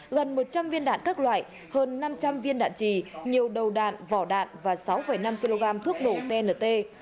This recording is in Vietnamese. gần một trăm linh viên đạn các loại hơn năm trăm linh viên đạn trì nhiều đầu đạn vỏ đạn và sáu năm kg thuốc nổ pnt